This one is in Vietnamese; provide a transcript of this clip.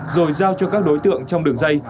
rồi giao cho các đối tượng trong đường dây